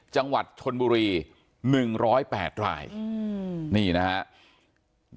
จังหวัดชนบุรี๑๐๘รายนี่นะครับ